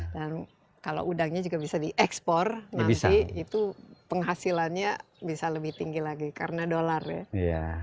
dan kalau udangnya juga bisa diekspor nanti itu penghasilannya bisa lebih tinggi lagi karena dolar ya